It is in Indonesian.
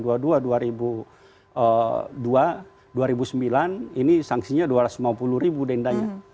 dan kalau kita lihat yang dua ribu dua dua ribu sembilan ini sangsinya dua ratus lima puluh ribu dendanya